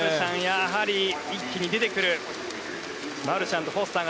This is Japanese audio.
やはり一気に出てくるマルシャンとフォスター。